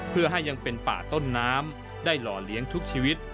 เพื่อให้ยังเป็นป่าต้นน้ำได้หล่อเลี้ยงทุกชีวิต